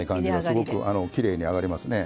すごくきれいにあがりますね。